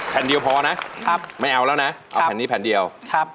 แผ่นเดียวพอนะครับไม่เอาแล้วนะเอาแผ่นนี้แผ่นเดียวครับ